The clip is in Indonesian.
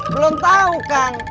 belum tau kang